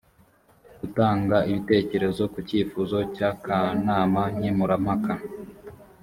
gutanga ibitekerezo ku cyifuzo cy’akanama nkemurampaka